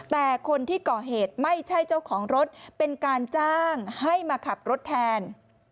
แต่คนที่ก่อเหตุไม่ใช่เจ้าของรถเป็นการจ้างให้มาขับรถแทน